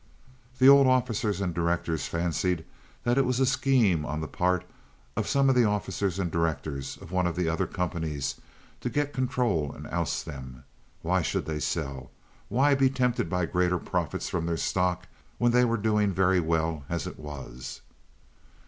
The old officers and directors fancied that it was a scheme on the part of some of the officers and directors of one of the other companies to get control and oust them. Why should they sell? Why be tempted by greater profits from their stock when they were doing very well as it was?